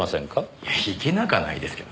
いやいけなくはないですけど。